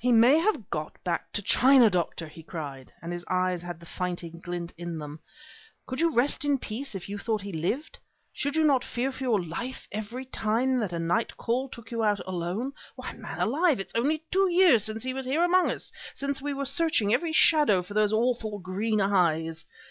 "He may have got back to China, Doctor!" he cried, and his eyes had the fighting glint in them. "Could you rest in peace if you thought that he lived? Should you not fear for your life every time that a night call took you out alone? Why, man alive, it is only two years since he was here among us, since we were searching every shadow for those awful green eyes!